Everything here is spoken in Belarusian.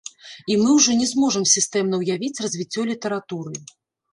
І мы ўжо не зможам сістэмна ўявіць развіццё літаратуры.